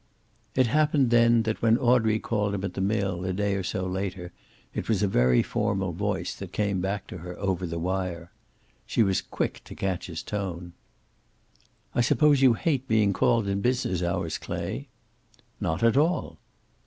It happened then that when Audrey called him at the mill a day or so later it was a very formal voice that came back to her over the wire. She was quick to catch his tone. "I suppose you hate being called in business hours, Clay!" "Not at all."